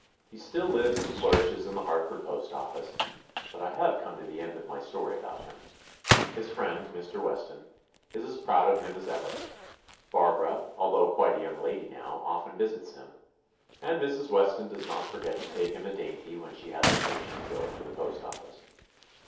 He still lives and flourishes in the Hart ford postoffice, but I have come to the end of my story about him. His friend, Mr. Weston, is as proud of 215 THE ADVENTURES OF him as ever; Barbara, although quite a young lady now, often visits him, and Mrs. Weston does not forget to take him a dainty when she has occa sion to go to the postoffice.